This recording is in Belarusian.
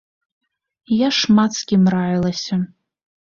Я шмат з кім раілася.